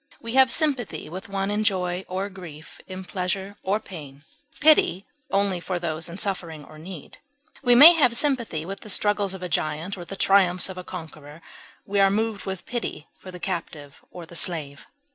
We have sympathy with one in joy or grief, in pleasure or pain, pity only for those in suffering or need; we may have sympathy with the struggles of a giant or the triumphs of a conqueror; we are moved with pity for the captive or the slave.